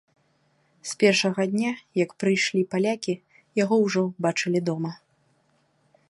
З першага дня, як прыйшлі палякі, яго ўжо бачылі дома.